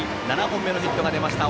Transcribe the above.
７本目のヒットが出ました